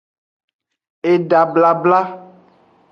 Eda blabla.